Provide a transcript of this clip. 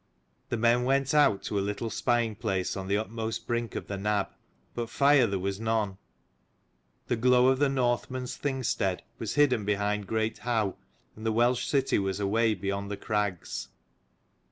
The men went out to a little spying place on the uttermost brink of the nab, but fire there was none. The glow of the Northmen's Thing stead was hidden behind Great Howe, and the Welsh city was away beyond the crags.